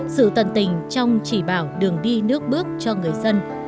sự tận tình trong chỉ bảo đường đi nước bước cho người dân